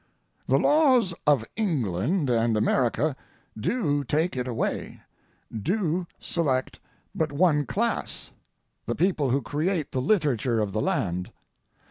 The laws of England and America do take it away, do select but one class, the people who create the literature of the land.